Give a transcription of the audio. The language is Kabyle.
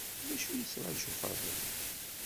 Acu yettṛaju Faḍil?